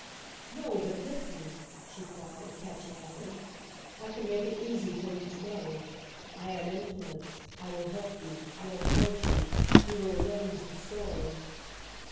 "No, but listen," she cried, catching at me, "I can make it easy for you to go. I have influence I will help you I will hide you! We will arrange the story."